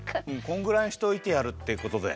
こんぐらいにしておいてやるってことで。